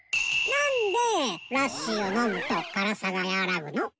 なんでーラッシーをのむと辛さがやわらぐの？